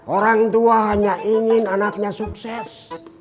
orang tua hanya ingin anaknya sukses